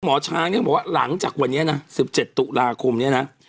หมอช้างบอกว่าหลังจากวันนี้นะ๑๗ตุลาคมนี้นะ